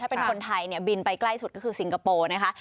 เป็นคนไทยเนี่ยบินไปใกล้สุดก็คือสิงคโปร์นะคะ